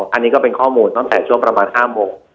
อันนี้ก็เป็นข้อมูลตั้งแต่ช่วงประมาณ๕โมง